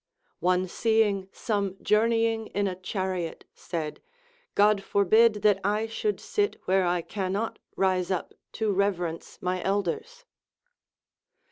One seeing some journeying in a chariot said, God forbid that I should sit where I cannot rise up to reverence my elders.